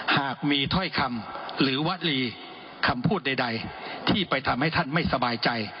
หากมีถ้อยคำหรือวลีคำพูดใดที่ไปทำให้ท่านไม่สบายใจ